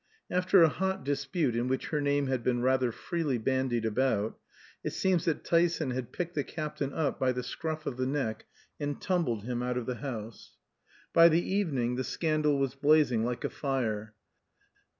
After a hot dispute, in which her name had been rather freely bandied about, it seems that Tyson had picked the Captain up by the scruff of the neck and tumbled him out of the house. By the evening the scandal was blazing like a fire.